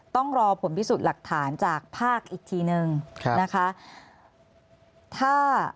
ต้องรอผลพิสูจน์หลักฐานจากภาคอีกทีนึงนะคะ